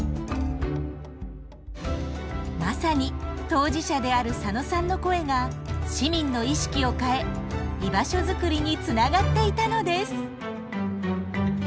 まさに当事者である佐野さんの声が市民の意識を変え居場所づくりにつながっていたのです。